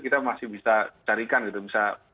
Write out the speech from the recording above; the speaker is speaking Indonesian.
kita masih bisa carikan gitu bisa